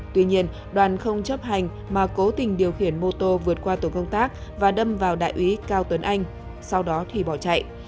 tuy nhiên đoàn không chấp hành mà cố tình điều khiển mô tô vượt qua tổ công tác và đâm vào đại úy cao tuấn anh sau đó thì bỏ chạy